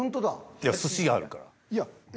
いや寿司があるから。